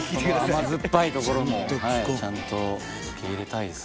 甘酸っぱいところもちゃんと受け入れたいですね。